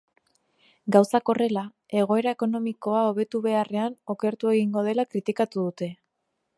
Gauzak horrela, egoera ekonomikoa hobetu beharrean, okertu egingo dela kritikatu dute.